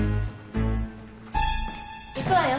行くわよ